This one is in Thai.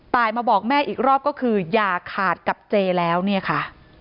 มาบอกแม่อีกรอบก็คืออย่าขาดกับเจแล้วเนี่ยค่ะ